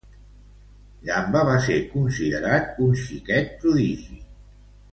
Gamba va ser considerat un xiquet prodigi.